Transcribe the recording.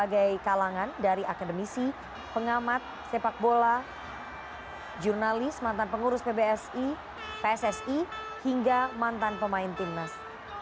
berbagai kalangan dari akademisi pengamat sepak bola jurnalis mantan pengurus pbsi pssi hingga mantan pemain timnas